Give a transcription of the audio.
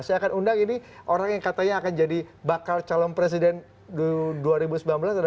saya akan undang ini orang yang katanya akan jadi bakal calon presiden dulu